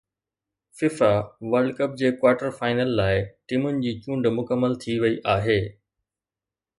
FIFA World Cup جي quarter final لاءِ ٽيمن جي چونڊ مڪمل ٿي وئي آهي